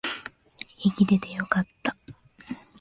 生きててよかった